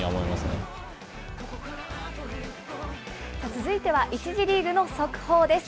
続いては１次リーグの速報です。